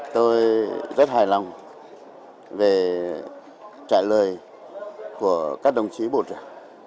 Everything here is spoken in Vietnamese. tôi rất hài lòng về trả lời của các đồng chí bộ trưởng